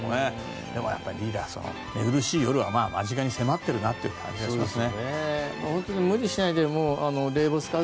でもやっぱりリーダー寝苦しい夜は間近に迫っている感じがしますね。